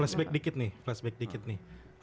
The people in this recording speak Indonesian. flashback dikit nih flashback dikit nih